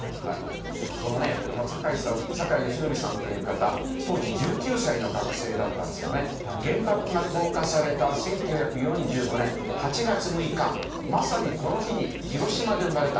この坂井義則さんっていう方、当時１９歳の学生だったんですけどね、原爆が投下された１９４５年８月６日、まさにこの日に広島で産まれた。